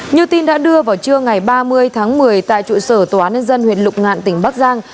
như tin đã đưa vào trưa ngày ba mươi tháng một mươi tại trụ sở tòa án nhân dân huyện lục ngạn tỉnh bắc giang